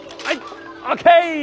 はい。